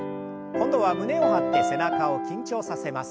今度は胸を張って背中を緊張させます。